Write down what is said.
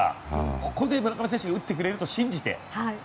ここで村上選手が打ってくれると信じて。